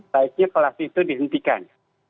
maka kelas itu dihias